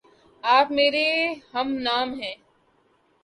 آپ میرے ہم نام ہےـ